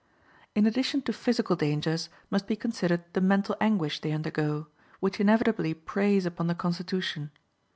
In addition to physical dangers must be considered the mental anguish they undergo, which inevitably preys upon the constitution.